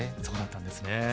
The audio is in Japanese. そうだったんですね。